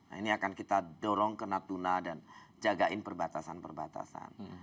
nah ini akan kita dorong ke natuna dan jagain perbatasan perbatasan